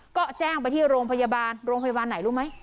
ก็แจ้งไปที่โรงพยาบาลโรงพยาบาลไหนรู้ไหม